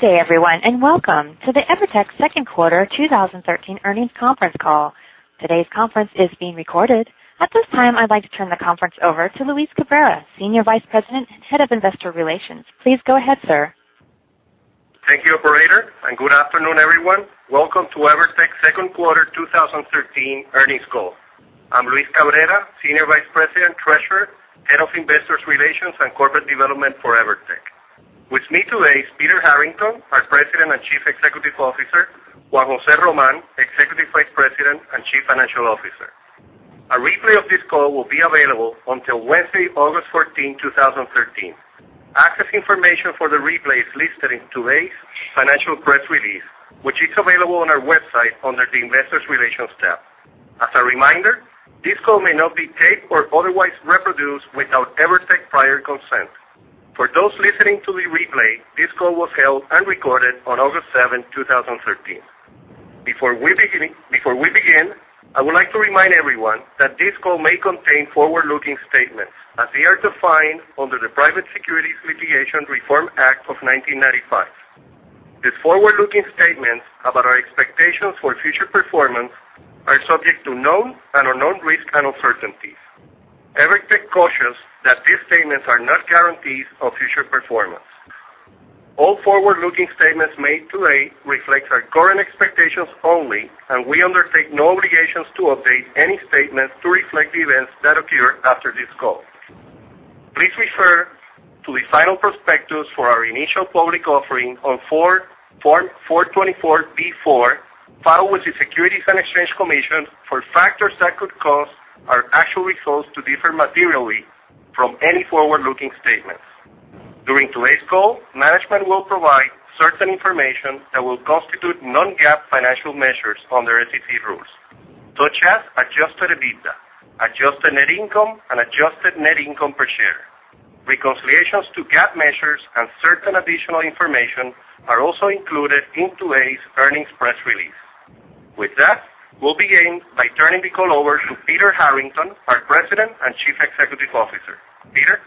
Good day everyone. Welcome to the EVERTEC second quarter 2013 earnings conference call. Today's conference is being recorded. At this time, I'd like to turn the conference over to Luis Cabrera, Senior Vice President and Head of Investor Relations. Please go ahead, sir. Thank you, operator. Good afternoon, everyone. Welcome to EVERTEC's second quarter 2013 earnings call. I'm Luis Cabrera, Senior Vice President, Treasurer, Head of Investor Relations and Corporate Development for EVERTEC. With me today is Peter Harrington, our President and Chief Executive Officer, Juan José Román, Executive Vice President and Chief Financial Officer. A replay of this call will be available until Wednesday, August 14, 2013. Access information for the replay is listed in today's financial press release, which is available on our website under the Investor Relations tab. As a reminder, this call may not be taped or otherwise reproduced without EVERTEC prior consent. For those listening to the replay, this call was held and recorded on August seven, 2013. Before we begin, I would like to remind everyone that this call may contain forward-looking statements as they are defined under the Private Securities Litigation Reform Act of 1995. These forward-looking statements about our expectations for future performance are subject to known and unknown risks and uncertainties. EVERTEC cautions that these statements are not guarantees of future performance. All forward-looking statements made today reflect our current expectations only. We undertake no obligations to update any statements to reflect events that occur after this call. Please refer to the final prospectus for our initial public offering on Form 424B4, filed with the Securities and Exchange Commission for factors that could cause our actual results to differ materially from any forward-looking statements. During today's call, management will provide certain information that will constitute non-GAAP financial measures under SEC rules, such as adjusted EBITDA, adjusted net income, adjusted net income per share. Reconciliations to GAAP measures and certain additional information are also included in today's earnings press release. We'll begin by turning the call over to Peter Harrington, our President and Chief Executive Officer. Peter?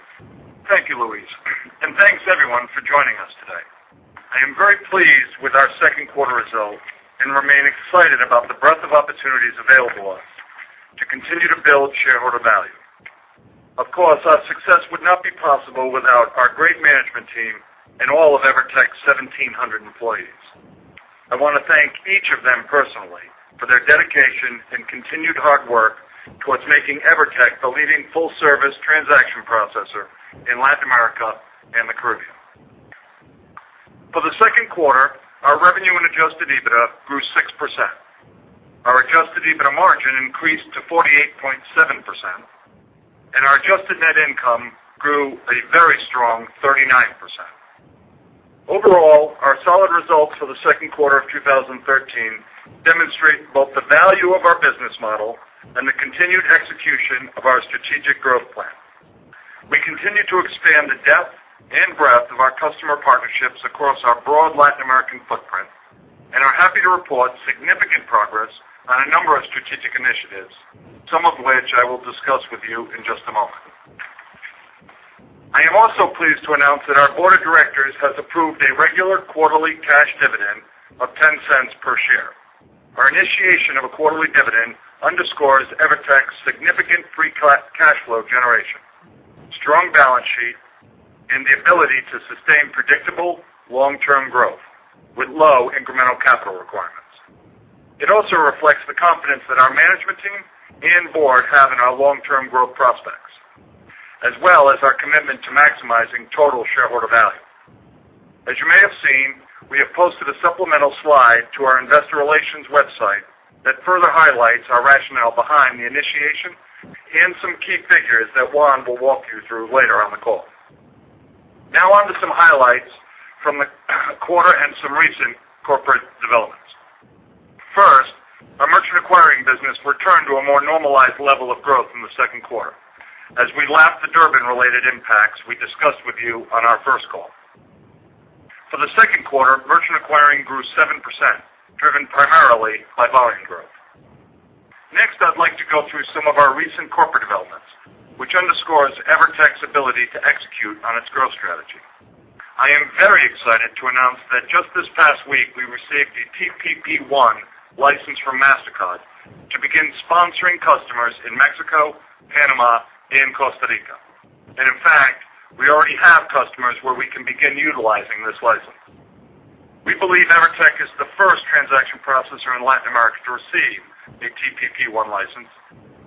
Thank you, Luis. Thanks everyone for joining us today. I am very pleased with our second quarter results and remain excited about the breadth of opportunities available to us to continue to build shareholder value. Of course, our success would not be possible without our great management team and all of EVERTEC's 1,700 employees. I want to thank each of them personally for their dedication and continued hard work towards making EVERTEC the leading full-service transaction processor in Latin America and the Caribbean. For the second quarter, our revenue and adjusted EBITDA grew 6%. Our adjusted EBITDA margin increased to 48.7%, and our adjusted net income grew a very strong 39%. Overall, our solid results for the second quarter of 2013 demonstrate both the value of our business model and the continued execution of our strategic growth plan. We continue to expand the depth and breadth of our customer partnerships across our broad Latin American footprint and are happy to report significant progress on a number of strategic initiatives, some of which I will discuss with you in just a moment. I am also pleased to announce that our board of directors has approved a regular quarterly cash dividend of $0.10 per share. Our initiation of a quarterly dividend underscores EVERTEC's significant free cash flow generation, strong balance sheet, and the ability to sustain predictable long-term growth with low incremental capital requirements. It also reflects the confidence that our management team and board have in our long-term growth prospects, as well as our commitment to maximizing total shareholder value. As you may have seen, we have posted a supplemental slide to our investor relations website that further highlights our rationale behind the initiation and some key figures that Juan will walk you through later on the call. On to some highlights from the quarter and some recent corporate developments. First, our merchant acquiring business returned to a more normalized level of growth in the second quarter as we lapped the Durbin-related impacts we discussed with you on our first call. For the second quarter, merchant acquiring grew 7%, driven primarily by volume growth. Next, I'd like to go through some of our recent corporate developments, which underscores EVERTEC's ability to execute on its growth strategy. I am very excited to announce that just this past week, we received a TPP1 license from MasterCard to begin sponsoring customers in Mexico, Panama, and Costa Rica. In fact, we already have customers where we can begin utilizing this license. We believe EVERTEC is the first transaction processor in Latin America to receive a TPP1 license,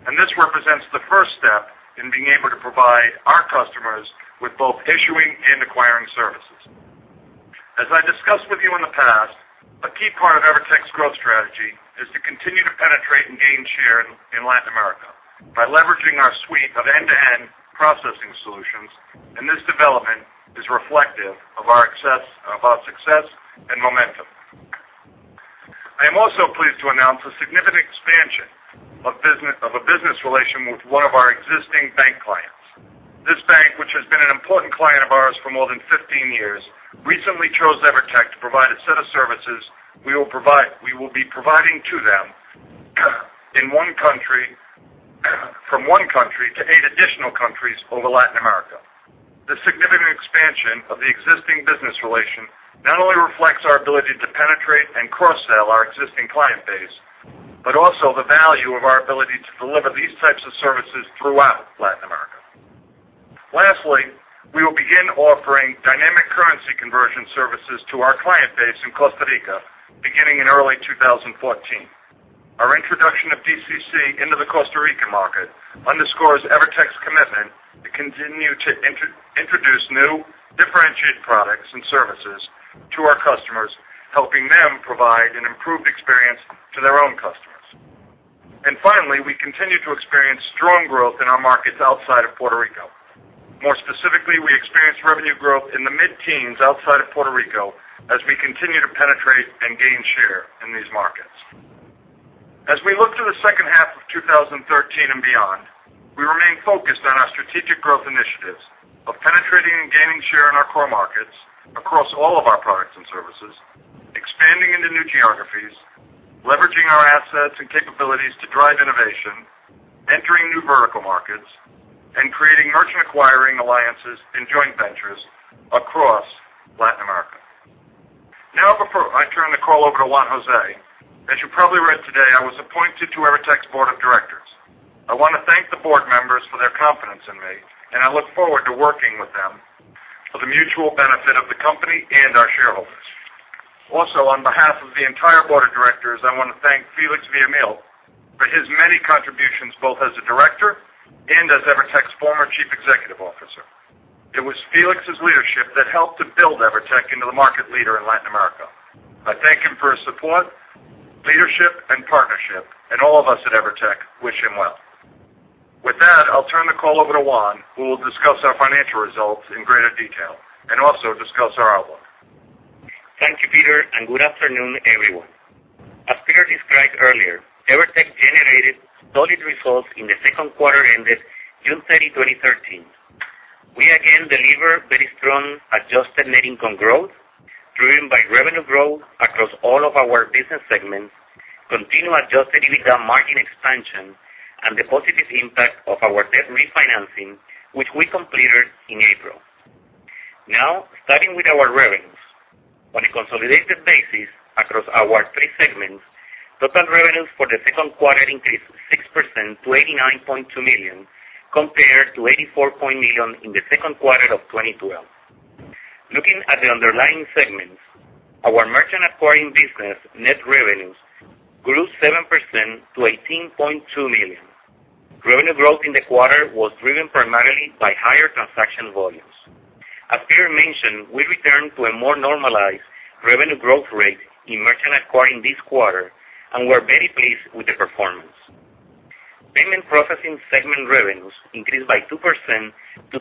and this represents the first step in being able to provide our customers with both issuing and acquiring services. I discussed with you in the past, a key part of EVERTEC's growth strategy is to continue to penetrate and gain share in Latin America by leveraging our suite of end-to-end processing solutions, and this development is reflective of our success and momentum. I am also pleased to announce a significant expansion of a business relation with one of our existing bank clients. This bank, which has been an important client of ours for more than 15 years, recently chose EVERTEC to provide a set of services we will be providing to them from one country in Latin America. The significant expansion of the existing business relation not only reflects our ability to penetrate and cross-sell our existing client base, but also the value of our ability to deliver these types of services throughout Latin America. Lastly, we will begin offering dynamic currency conversion services to our client base in Costa Rica beginning in early 2014. Our introduction of DCC into the Costa Rica market underscores EVERTEC's commitment to continue to introduce new differentiated products and services to our customers, helping them provide an improved experience to their own customers. Finally, we continue to experience strong growth in our markets outside of Puerto Rico. More specifically, we experienced revenue growth in the mid-teens outside of Puerto Rico as we continue to penetrate and gain share in these markets. As we look to the second half of 2013 and beyond, we remain focused on our strategic growth initiatives of penetrating and gaining share in our core markets across all of our products and services, expanding into new geographies, leveraging our assets and capabilities to drive innovation, entering new vertical markets, and creating merchant acquiring alliances and joint ventures across Latin America. Now, before I turn the call over to Juan José, as you probably read today, I was appointed to EVERTEC's board of directors. I want to thank the board members for their confidence in me, and I look forward to working with them for the mutual benefit of the company and our shareholders. Also, on behalf of the entire board of directors, I want to thank Félix Villamil for his many contributions, both as a director and as EVERTEC's former Chief Executive Officer. It was Félix's leadership that helped to build EVERTEC into the market leader in Latin America. I thank him for his support, leadership, and partnership, and all of us at EVERTEC wish him well. With that, I'll turn the call over to Juan, who will discuss our financial results in greater detail and also discuss our outlook. Thank you, Peter, and good afternoon, everyone. As Peter described earlier, EVERTEC generated solid results in the second quarter ended June 30, 2013. We again delivered very strong adjusted net income growth, driven by revenue growth across all of our business segments, continued adjusted EBITDA margin expansion, and the positive impact of our debt refinancing, which we completed in April. Now, starting with our revenues. On a consolidated basis across our three segments, total revenues for the second quarter increased 6% to $89.2 million, compared to $84.2 million in the second quarter of 2012. Looking at the underlying segments, our merchant acquiring business net revenues grew 7% to $18.2 million. Revenue growth in the quarter was driven primarily by higher transaction volumes. As Peter mentioned, we returned to a more normalized revenue growth rate in merchant acquiring this quarter and we're very pleased with the performance. Payment processing segment revenues increased by 2% to $24.3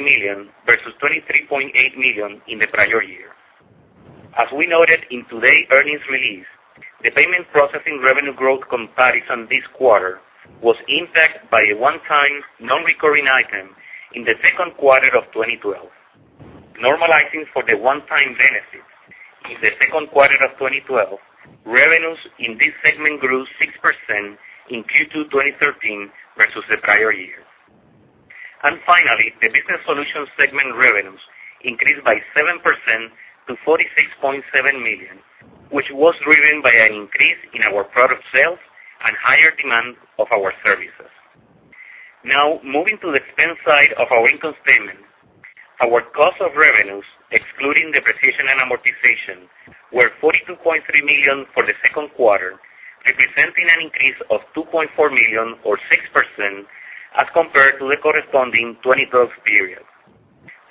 million versus $23.8 million in the prior year. As we noted in today's earnings release, the payment processing revenue growth comparison this quarter was impacted by a one-time non-recurring item in the second quarter of 2012. Normalizing for the one-time benefit in the second quarter of 2012, revenues in this segment grew 6% in Q2 2013 versus the prior year. Finally, the business solutions segment revenues increased by 7% to $46.7 million, which was driven by an increase in our product sales and higher demand of our services. Now, moving to the expense side of our income statement. Our cost of revenues, excluding depreciation and amortization, were $42.3 million for the second quarter, representing an increase of $2.4 million or 6% as compared to the corresponding 2012 period.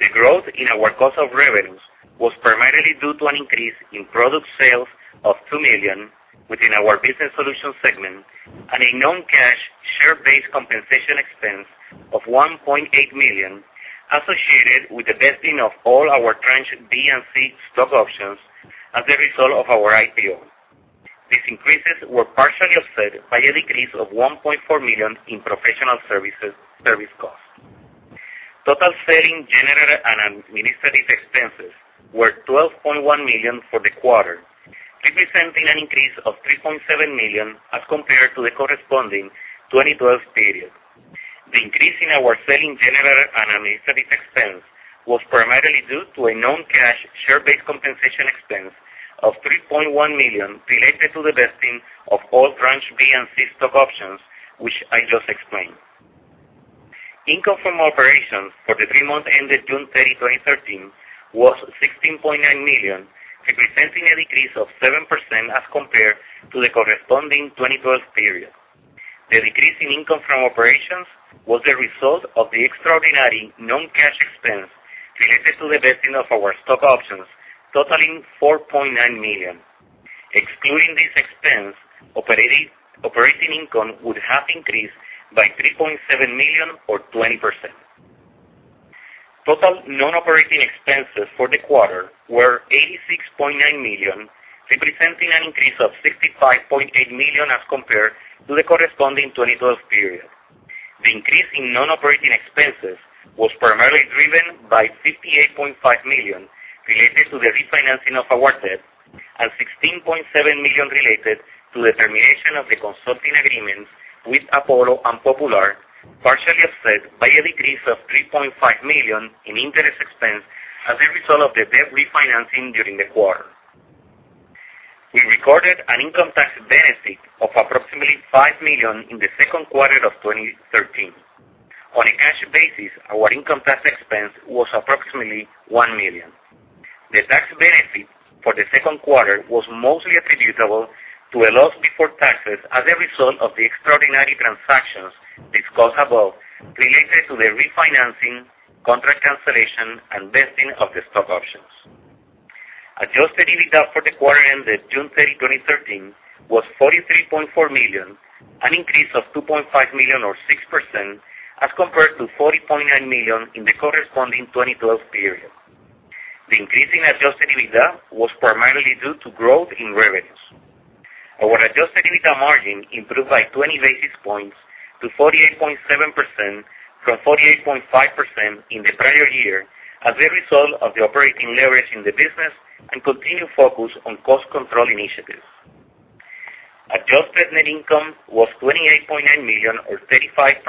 The growth in our cost of revenues was primarily due to an increase in product sales of $2 million within our business solutions segment and a non-cash share-based compensation expense of $1.8 million associated with the vesting of all our tranche B and C stock options as a result of our IPO. These increases were partially offset by a decrease of $1.4 million in professional service costs. Total selling, general, and administrative expenses were $12.1 million for the quarter, representing an increase of $3.7 million as compared to the corresponding 2012 period. The increase in our selling, general, and administrative expense was primarily due to a non-cash share-based compensation expense of $3.1 million related to the vesting of all tranche B and C stock options, which I just explained. Income from operations for the three months ended June 30, 2013, was $16.9 million, representing a decrease of 7% as compared to the corresponding 2012 period. The decrease in income from operations was the result of the extraordinary non-cash expense related to the vesting of our stock options totaling $4.9 million. Excluding this expense, operating income would have increased by $3.7 million or 20%. Total non-operating expenses for the quarter were $86.9 million, representing an increase of $65.8 million as compared to the corresponding 2012 period. The increase in non-operating expenses was primarily driven by $58.5 million related to the refinancing of our debt and $16.7 million related to the termination of the consulting agreements with Apollo and Popular, partially offset by a decrease of $3.5 million in interest expense as a result of the debt refinancing during the quarter. We recorded an income tax benefit of approximately $5 million in the second quarter of 2013. On a cash basis, our income tax expense was approximately $1 million. The tax benefit for the second quarter was mostly attributable to a loss before taxes as a result of the extraordinary transactions discussed above related to the refinancing, contract cancellation, and vesting of the stock options. Adjusted EBITDA for the quarter ended June 30, 2013, was $43.4 million, an increase of $2.5 million or 6% as compared to $40.9 million in the corresponding 2012 period. The increase in adjusted EBITDA was primarily due to growth in revenues. Our adjusted EBITDA margin improved by 20 basis points to 48.7% from 48.5% in the prior year as a result of the operating leverage in the business and continued focus on cost control initiatives. Adjusted net income was $28.9 million or $0.35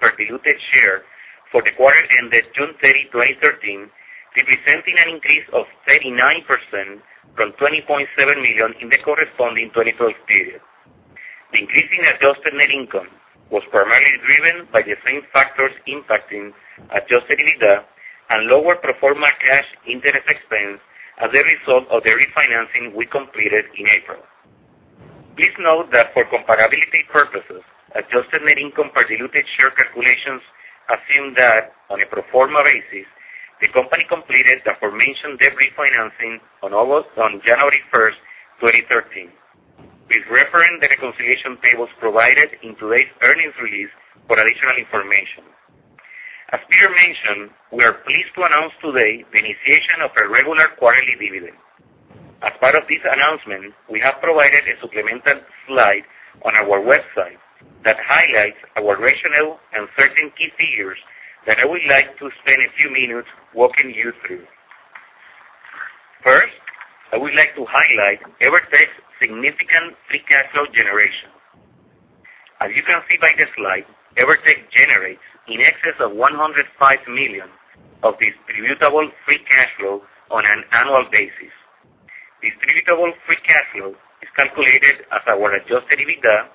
per diluted share for the quarter ended June 30, 2013, representing an increase of 39% from $20.7 million in the corresponding 2012 period. The increase in adjusted net income was primarily driven by the same factors impacting adjusted EBITDA and lower pro forma cash interest expense as a result of the refinancing we completed in April. Please note that for comparability purposes, adjusted net income per diluted share calculations assume that on a pro forma basis, the company completed the aforementioned debt refinancing on January 1st, 2013. Please reference the reconciliation tables provided in today's earnings release for additional information. As Peter mentioned, we are pleased to announce today the initiation of a regular quarterly dividend. As part of this announcement, we have provided a supplemental slide on our website that highlights our rationale and certain key figures that I would like to spend a few minutes walking you through. First, I would like to highlight EVERTEC's significant free cash flow generation. As you can see by the slide, EVERTEC generates in excess of $105 million of distributable free cash flow on an annual basis. Distributable free cash flow is calculated as our adjusted EBITDA,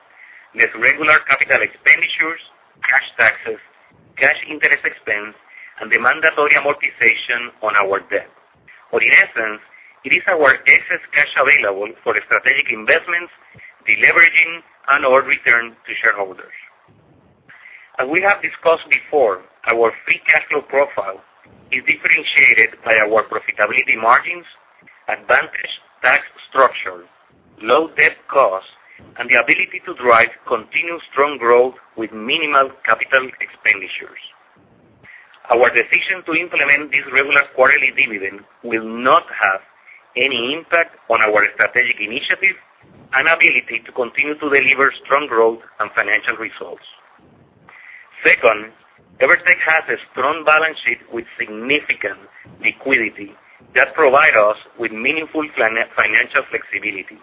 less regular capital expenditures, cash taxes, cash interest expense, and the mandatory amortization on our debt. Or in essence, it is our excess cash available for strategic investments, deleveraging, and/or return to shareholders. As we have discussed before, our free cash flow profile is differentiated by our profitability margins, advantage tax structure, low debt cost, and the ability to drive continuous strong growth with minimal capital expenditures. Our decision to implement this regular quarterly dividend will not have any impact on our strategic initiatives and ability to continue to deliver strong growth and financial results. Second, EVERTEC has a strong balance sheet with significant liquidity that provide us with meaningful financial flexibility.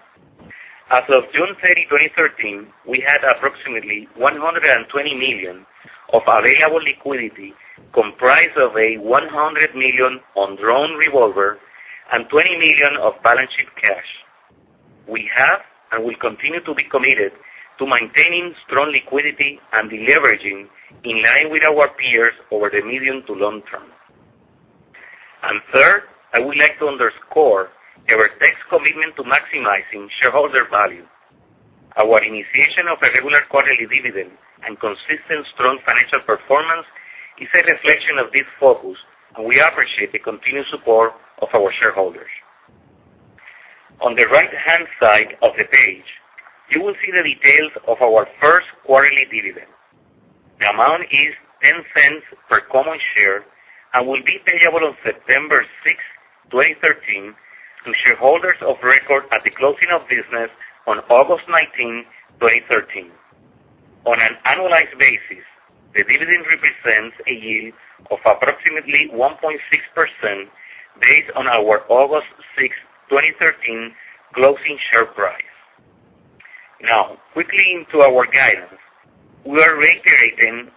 As of June 30, 2013, we had approximately $120 million of available liquidity, comprised of a $100 million undrawn revolver and $20 million of balance sheet cash. We have and will continue to be committed to maintaining strong liquidity and deleveraging in line with our peers over the medium to long term. Third, I would like to underscore EVERTEC's commitment to maximizing shareholder value. Our initiation of a regular quarterly dividend and consistent strong financial performance is a reflection of this focus, and we appreciate the continued support of our shareholders. On the right-hand side of the page, you will see the details of our first quarterly dividend. The amount is $0.10 per common share and will be payable on September 6th, 2013, to shareholders of record at the closing of business on August 19th, 2013. On an annualized basis, the dividend represents a yield of approximately 1.6%, based on our August 6th, 2013, closing share price. Now, quickly into our guidance. We are reiterating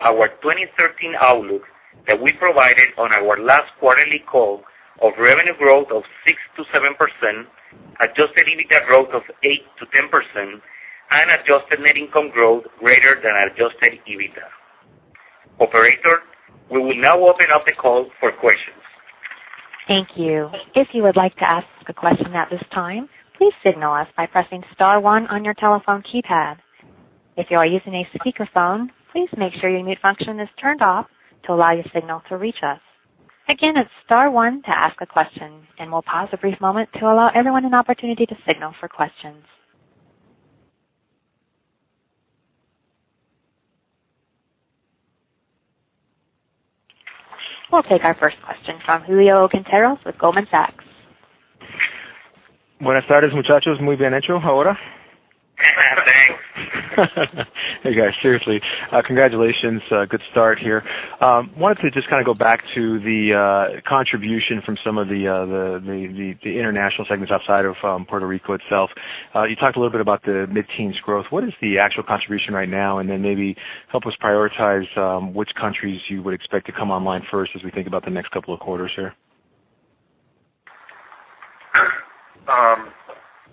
our 2013 outlook that we provided on our last quarterly call of revenue growth of 6%-7%, adjusted EBITDA growth of 8%-10%, and adjusted net income growth greater than adjusted EBITDA. Operator, we will now open up the call for questions. Thank you. If you would like to ask a question at this time, please signal us by pressing star one on your telephone keypad. If you are using a speakerphone, please make sure your mute function is turned off to allow your signal to reach us. Again, it's star one to ask a question, and we'll pause a brief moment to allow everyone an opportunity to signal for questions. We'll take our first question from Julio Quinteros with Goldman Sachs. Buenas tardes, muchachos. Muy bien hecho ahora Hey guys, seriously. Congratulations. Good start here. Wanted to just go back to the contribution from some of the international segments outside of Puerto Rico itself. You talked a little bit about the mid-teens growth. What is the actual contribution right now, and then maybe help us prioritize which countries you would expect to come online first as we think about the next couple of quarters here?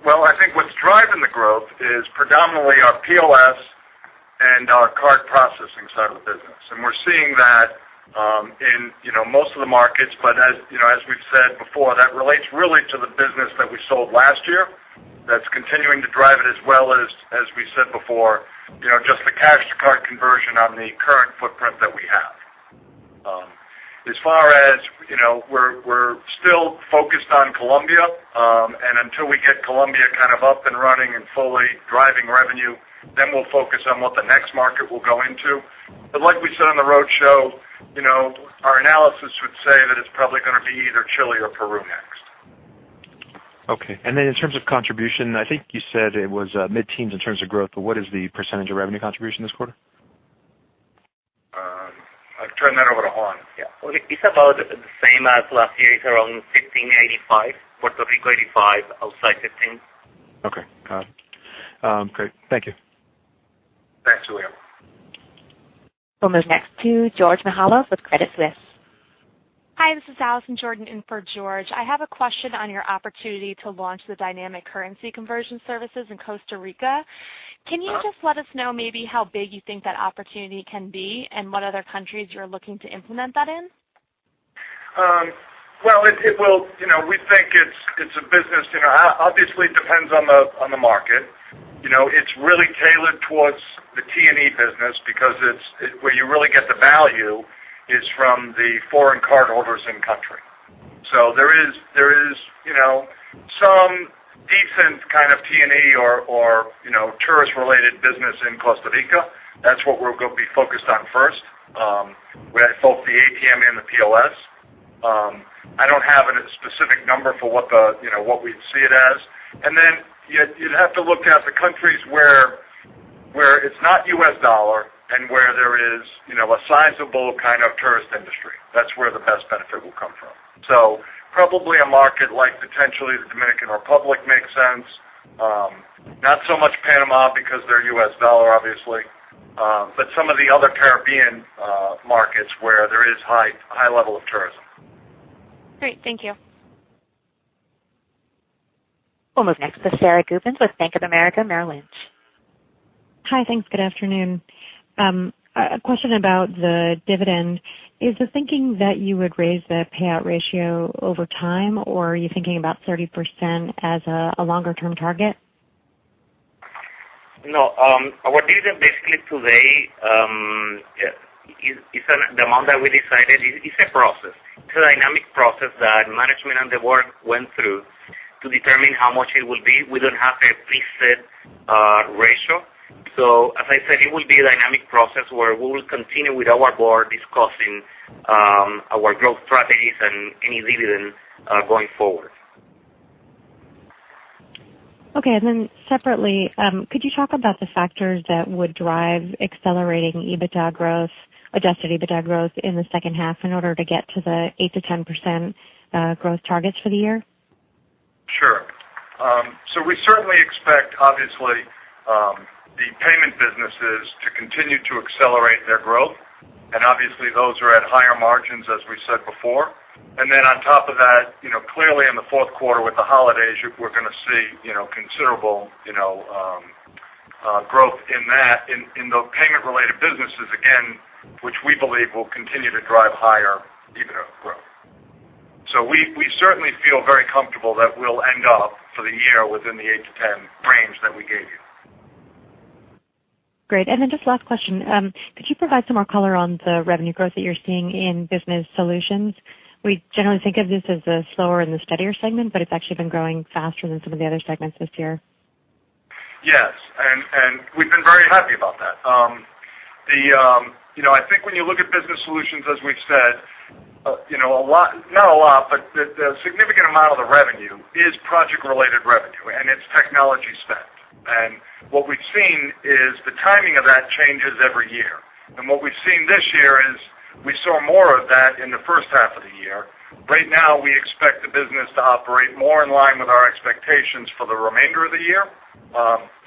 Well, I think what's driving the growth is predominantly our POS and our card processing side of the business. We're seeing that in most of the markets. As we've said before, that relates really to the business that we sold last year that's continuing to drive it as well as we said before, just the cash to card conversion on the current footprint that we have. As far as, we're still focused on Colombia. Until we get Colombia kind of up and running and fully driving revenue, then we'll focus on what the next market will go into. Like we said on the roadshow, our analysis would say that it's probably going to be either Chile or Peru next. Okay. Then in terms of contribution, I think you said it was mid-teens in terms of growth, but what is the % of revenue contribution this quarter? I'll turn that over to Juan. Yeah. It's about the same as last year. It's around 15 85. Puerto Rico, 85. Outside, 15. Okay, got it. Great. Thank you. Thanks, William. We'll move next to Georgios Mihalos with Credit Suisse. Hi, this is Allison Jordan in for George. I have a question on your opportunity to launch the dynamic currency conversion services in Costa Rica. Can you just let us know maybe how big you think that opportunity can be and what other countries you're looking to implement that in? We think it's a business. Obviously, it depends on the market. It's really tailored towards the T&E business because where you really get the value is from the foreign cardholders in country. There is some decent kind of T&E or tourist-related business in Costa Rica. That's what we're going to be focused on first, with both the ATM and the POS. I don't have a specific number for what we'd see it as. Then you'd have to look at the countries where it's not U.S. dollar and where there is a sizable kind of tourist industry. That's where the best benefit will come from. Probably a market like potentially the Dominican Republic makes sense. Not so much Panama because they're U.S. dollar, obviously. Some of the other Caribbean markets where there is high level of tourism. Great. Thank you. We'll move next to Sara Gubins with Bank of America Merrill Lynch. Hi. Thanks. Good afternoon. A question about the dividend. Is the thinking that you would raise the payout ratio over time, or are you thinking about 30% as a longer-term target? No. Our dividend basically today is the amount that we decided. It's a process. It's a dynamic process that management and the board went through to determine how much it will be. We don't have a preset ratio. As I said, it will be a dynamic process where we will continue with our board discussing our growth strategies and any dividend going forward. Okay. Separately, could you talk about the factors that would drive accelerating EBITDA growth, adjusted EBITDA growth in the second half in order to get to the 8%-10% growth targets for the year? Sure. We certainly expect, obviously, the payment businesses to continue to accelerate their growth. Obviously, those are at higher margins, as we said before. On top of that, clearly in the fourth quarter with the holidays, we're going to see considerable growth in those payment-related businesses, again, which we believe will continue to drive higher EBITDA growth. We certainly feel very comfortable that we'll end up for the year within the 8-10 range that we gave you. Great. Just last question. Could you provide some more color on the revenue growth that you're seeing in Business Solutions? We generally think of this as the slower and the steadier segment, but it's actually been growing faster than some of the other segments this year. Yes. We've been very happy about that. I think when you look at Business Solutions, as we've said, a significant amount of the revenue is project-related revenue, and it's technology spend. What we've seen is the timing of that changes every year. What we've seen this year is we saw more of that in the first half of the year. Right now, we expect the business to operate more in line with our expectations for the remainder of the year.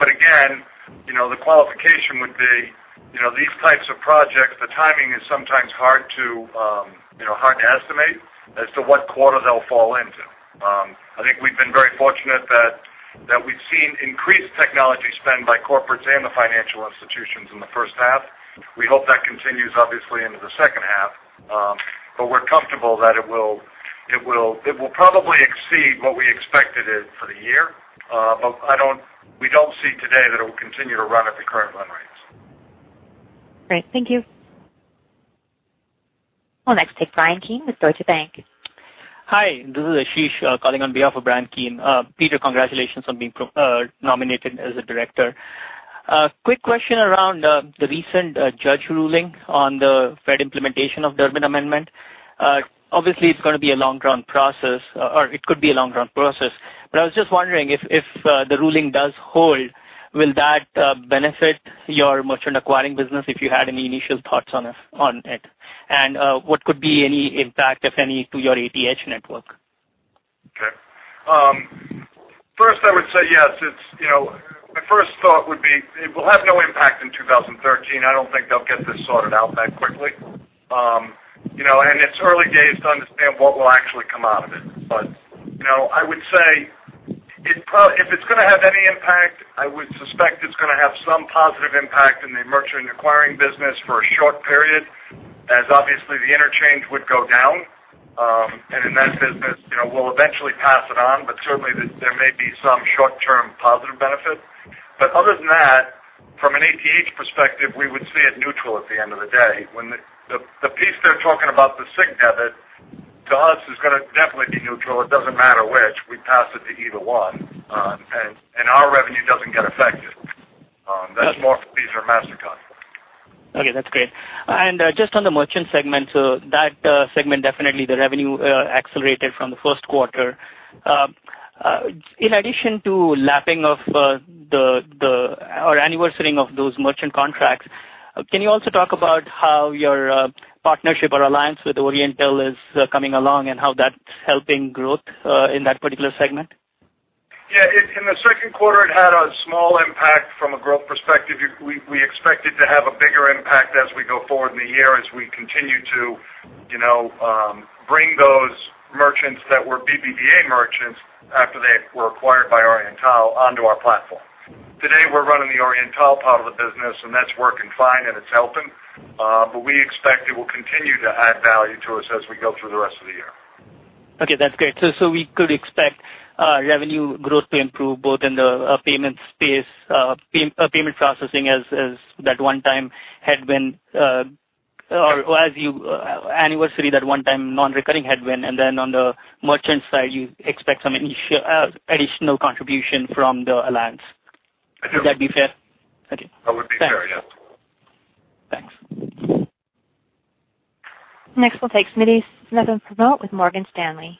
Again, the qualification would be these types of projects, the timing is sometimes hard to estimate as to what quarter they'll fall into. I think we've been very fortunate that we've seen increased technology spend by corporates and the financial institutions in the first half. We hope that continues obviously into the second half. We're comfortable that it will probably exceed what we expected it for the year. We don't see today that it will continue to run at the current run rates. Great. Thank you. We'll next take Bryan Keane with Deutsche Bank. Hi. This is Ashish calling on behalf of Bryan Keane. Peter, congratulations on being nominated as a director. A quick question around the recent judge ruling on the Fed implementation of the Durbin Amendment. Obviously, it's going to be a long-run process, or it could be a long-run process. I was just wondering if the ruling does hold, will that benefit your merchant acquiring business, if you had any initial thoughts on it? What could be any impact, if any, to your ATH network? Okay. First, I would say yes. My first thought would be it will have no impact in 2013. I don't think they'll get this sorted out that quickly. It's early days to understand what will actually come out of it. I would say if it's going to have any impact, I would suspect it's going to have some positive impact in the merchant acquiring business for a short period, as obviously the interchange would go down. In that business, we'll eventually pass it on. Certainly, there may be some short-term positive benefit. Other than that, from an ATH perspective, we would see it neutral at the end of the day. The piece they're talking about, the signature debit, to us is going to definitely be neutral. It doesn't matter which. We pass it to either one, and our revenue doesn't get affected. That's more for Visa or Mastercard. Okay, that's great. Just on the merchant segment, that segment, definitely the revenue accelerated from the first quarter. In addition to anniversarying of those merchant contracts, can you also talk about how your partnership or alliance with Oriental is coming along, and how that's helping growth in that particular segment? Yeah. In the second quarter, it had a small impact from a growth perspective. We expect it to have a bigger impact as we go forward in the year as we continue to bring those merchants that were BBVA merchants after they were acquired by Oriental onto our platform. Today, we're running the Oriental part of the business, and that's working fine and it's helping. We expect it will continue to add value to us as we go through the rest of the year. We could expect revenue growth to improve both in the payment processing as you anniversary that one-time non-recurring headwind. On the merchant side, you expect some additional contribution from the alliance. I do. Would that be fair? Okay. That would be fair, yeah. Thanks. Next, we'll take Smita Tulsipur with Morgan Stanley.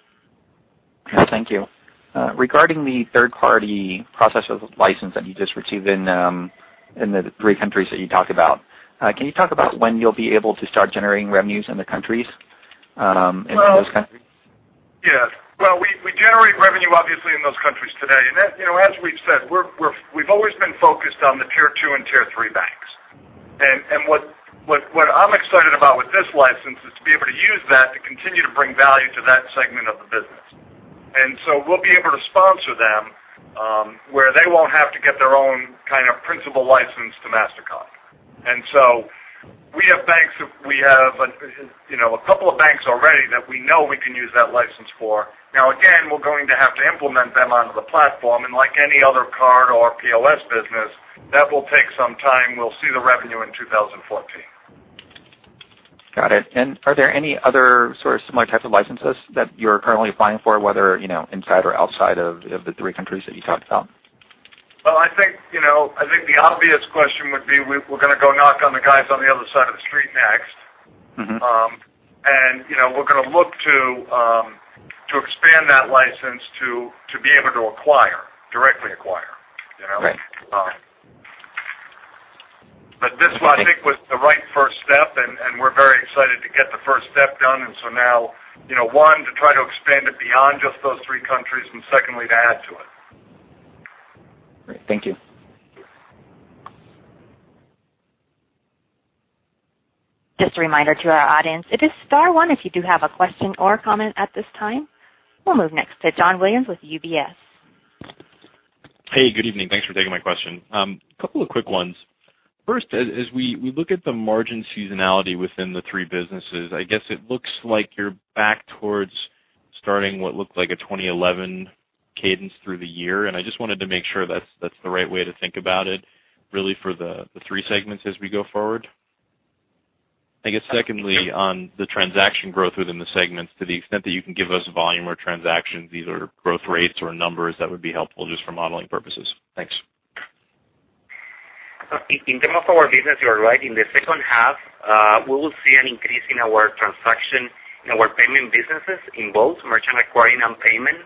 Thank you. Regarding the third-party processor license that you just received in the three countries that you talked about, can you talk about when you'll be able to start generating revenues in the countries? In those countries? Yes. Well, we generate revenue obviously in those countries today. As we've said, we've always been focused on the tier 2 and tier 3 banks. What I'm excited about with this license is to be able to use that to continue to bring value to that segment of the business. We'll be able to sponsor them, where they won't have to get their own kind of principal license to MasterCard. We have a couple of banks already that we know we can use that license for. Now, again, we're going to have to implement them onto the platform, and like any other card or PLS business, that will take some time. We'll see the revenue in 2014. Got it. Are there any other sort of similar types of licenses that you're currently applying for, whether inside or outside of the three countries that you talked about? Well, I think the obvious question would be we're going to go knock on the guys on the other side of the street next. We're going to look to expand that license to be able to acquire, directly acquire. Right. This one I think was the right first step, and we're very excited to get the first step done. Now, one, to try to expand it beyond just those three countries, and secondly, to add to it. Great. Thank you. Just a reminder to our audience, it is star one if you do have a question or a comment at this time. We'll move next to John Williams with UBS. Hey, good evening. Thanks for taking my question. Couple of quick ones. First, as we look at the margin seasonality within the three businesses, I guess it looks like you're back towards starting what looked like a 2011 cadence through the year, and I just wanted to make sure that's the right way to think about it really for the three segments as we go forward. I guess secondly, on the transaction growth within the segments, to the extent that you can give us volume or transactions, either growth rates or numbers, that would be helpful just for modeling purposes. Thanks. In terms of our business, you are right. In the second half, we will see an increase in our transaction in our payment businesses in both merchant acquiring and payment.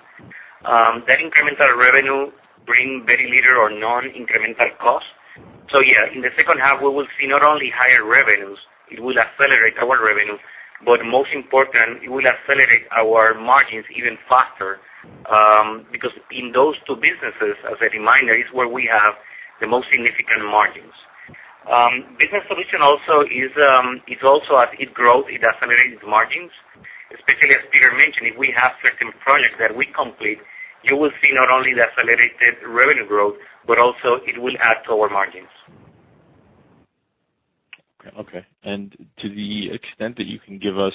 That incremental revenue bring very little or non-incremental cost. Yes, in the second half, we will see not only higher revenues, it will accelerate our revenue, but most important, it will accelerate our margins even faster because in those two businesses, as a reminder, is where we have the most significant margins. Business Solutions also as it grows, it accelerates margins, especially as Peter mentioned, if we have certain projects that we complete, you will see not only the accelerated revenue growth, but also it will add to our margins. Okay. To the extent that you can give us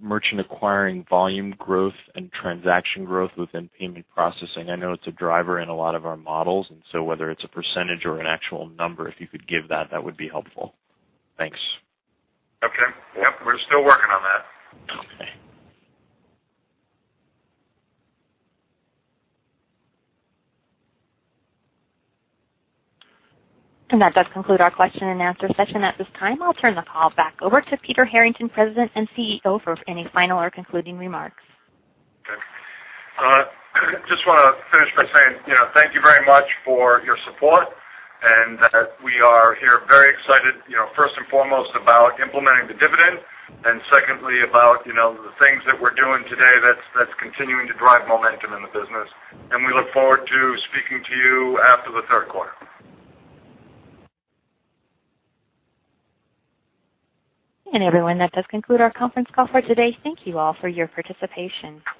merchant acquiring volume growth and transaction growth within Payment Processing, I know it's a driver in a lot of our models, whether it's a percentage or an actual number, if you could give that would be helpful. Thanks. Okay. Yep, we're still working on that. Okay. That does conclude our question and answer session at this time. I'll turn the call back over to Peter Harrington, President and CEO, for any final or concluding remarks. Okay. Just want to finish by saying thank you very much for your support and that we are here very excited, first and foremost about implementing the dividend, and secondly about the things that we're doing today that's continuing to drive momentum in the business. We look forward to speaking to you after the third quarter. Everyone, that does conclude our conference call for today. Thank you all for your participation.